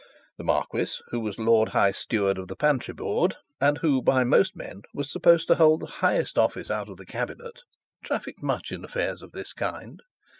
The marquis, who was Lord High Steward of the Pantry Board, and who by most men was supposed to hold the highest office out of the cabinet, trafficked much in affairs of this kind.